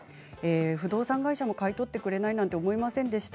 不動産会社も買い取ってくれないなんて思いもしませんでした。